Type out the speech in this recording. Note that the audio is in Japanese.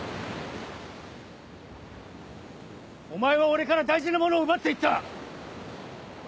お前は俺から大事なものを奪って行った！